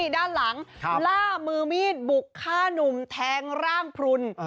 ด้านหลังล่ามือมีดบุกฆ่านุ่มแทงร่างพลุน